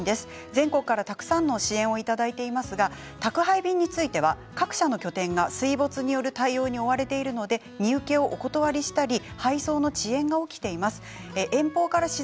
全国からたくさんの支援をいただいていますが宅配便については各社の拠点が水没による対応に追われているので荷受けをお断りしたり配送の遅延が起きています。